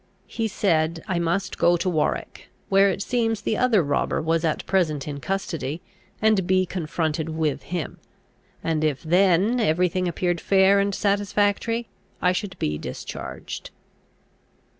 He said, I must go to Warwick, where it seems the other robber was at present in custody, and be confronted with him; and if then every thing appeared fair and satisfactory, I should be discharged.